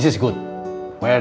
saya setuju mr lebaran